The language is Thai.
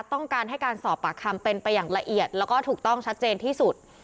ต้องการให้การสอบปากคำเป็นไปอย่างละเอียดแล้วก็ถูกต้องชัดเจนที่สุด